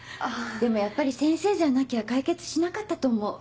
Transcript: でもやっぱり先生じゃなきゃ解決しなかったと思う。